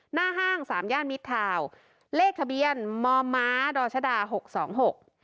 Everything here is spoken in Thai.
ห้างสามย่านมิดทาวน์เลขทะเบียนมอมมดรชดาหกสองหก